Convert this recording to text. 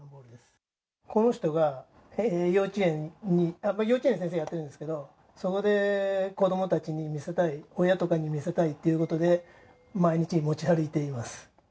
この人が幼稚園に、幼稚園の先生やっているんですけれども、そこで子どもたちに見せたい、親とかに見せたいということで、毎日持ち歩いています。